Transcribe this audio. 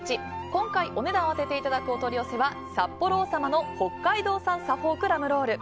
今回、お値段を当てていただくお取り寄せは札幌王様の北海道産サフォークラムロール。